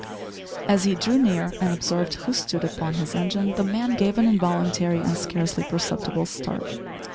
As he drew near and observed who stood upon his engine, the man gave an involuntary and scarcely perceptible start.